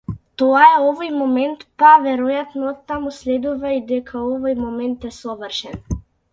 Тоа е овој момент-па веројатно оттаму следува и дека овој момент е совршен.